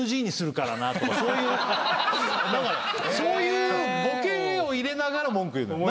そういうボケを入れながら文句言うのよ。